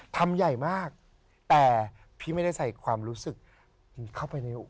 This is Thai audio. ทำใหญ่มากแต่พี่ไม่ได้ใส่ความรู้สึกนี้เข้าไปในอุ